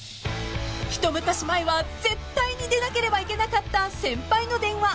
［ひと昔前は絶対に出なければいけなかった先輩の電話］